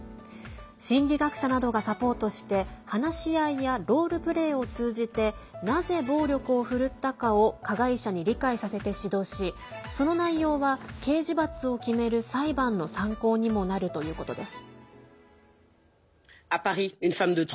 心理学者などがサポートして話し合いやロールプレーを通じてなぜ暴力を振るったかを加害者に理解させて指導しその内容は刑事罰を決める裁判の参考にもなるということです。